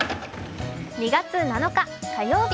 ２月７日火曜日。